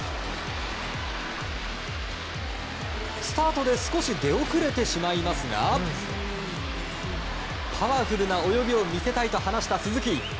スタートで少し出遅れてしまいますがパワフルな泳ぎを見せたいと話した鈴木。